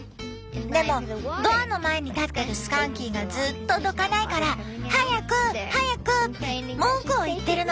でもドアの前に立ってるスカンキーがずっとどかないから「早く早く」って文句を言ってるの。